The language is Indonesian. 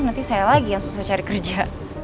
nanti saya lagi yang susah cari kerja